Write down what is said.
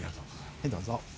はいどうぞ。